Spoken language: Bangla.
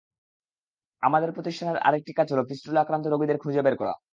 আমাদের প্রতিষ্ঠানের আরেকটি কাজ হলো ফিস্টুলা আক্রান্ত রোগীদের খুঁজে বের করা।